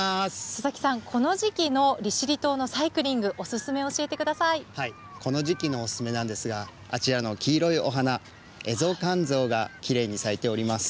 佐々木さん、この時期の利尻島のサイクリング、お勧め教えてこの時期のお勧めなんですが、あちらの黄色いお花、エゾカンゾウがきれいに咲いております。